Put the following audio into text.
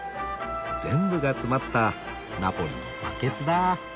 全部が詰まったナポリのバケツだ。